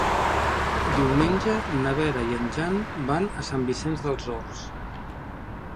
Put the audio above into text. Diumenge na Vera i en Jan van a Sant Vicenç dels Horts.